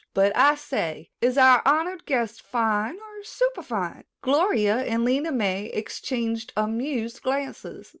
But, I say, is our honored guest fine or superfine?" Gloria and Lena May exchanged amused glances.